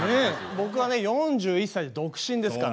僕はね４１歳で独身ですから。